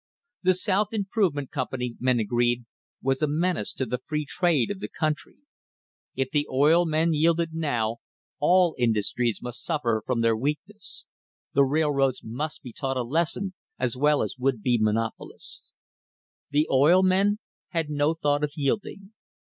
The South Improve ment Company, men agreed, was a menace to the free trade of the country. If the oil men yielded now, all industries must suffer from their weakness. The railroads must be taught a lesson as well as would be monopolists. / The oil men had no thought of yielding.